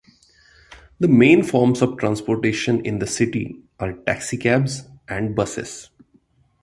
The main forms of transportation in the city are taxi cabs and buses.